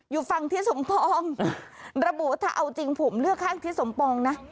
อยู่ฝั่งทิศสมปองระบุถ้าเอาจริงผมเลือกข้างทิศสมปองนะ